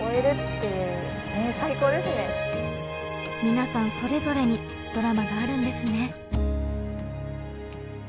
皆さんそれぞれにドラマがあるんですね。